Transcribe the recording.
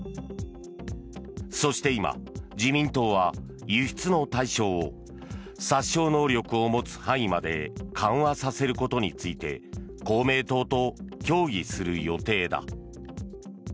そして今、自民党は輸出の対象を殺傷能力を持つ範囲まで緩和させることについて公明党と協議する予定だ。